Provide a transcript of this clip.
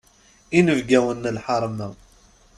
Inebgawen n lḥeṛma.